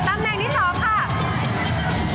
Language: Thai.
หมายแรก